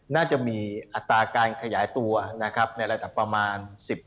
น่าจะมีอัตราการขยายตัวในระดับประมาณ๑๐๑๕